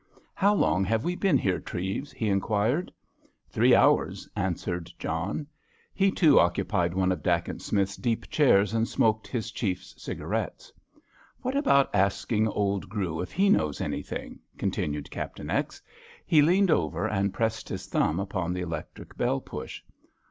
"How long have we been here, Treves?" he inquired. "Three hours," answered John. He too occupied one of Dacent Smith's deep chairs and smoked his Chief's cigarettes. "What about asking old Grew if he knows anything," continued Captain X——. He leaned over and pressed his thumb upon the electric bell push.